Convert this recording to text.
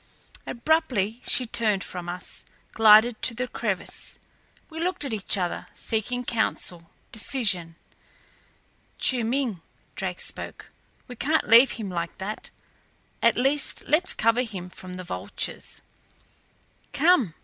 Abruptly she turned from us, glided to the crevice. We looked at each other, seeking council, decision. "Chiu Ming," Drake spoke. "We can't leave him like that. At least let's cover him from the vultures." "Come."